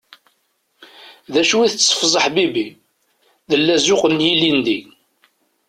D acu i tteffẓeḍ, a ḥbibi? D llazuq n yilindi.